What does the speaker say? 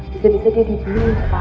bisa bisa jadi binfa